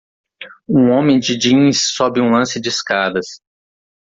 Um homem de jeans sobe um lance de escadas.